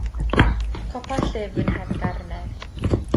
Copa llyfn heb garnedd.